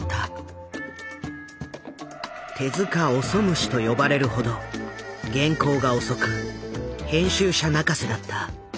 「手オソムシ」と呼ばれるほど原稿が遅く編集者泣かせだった。